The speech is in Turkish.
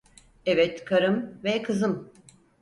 Evet, karım ve kızım…